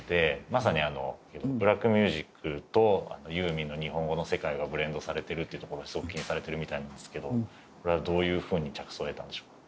まさにブラックミュージックとユーミンの日本語の世界がブレンドされてるっていうところをすごく気にされてるみたいなんですけどこれはどういう風に着想を得たんでしょうか？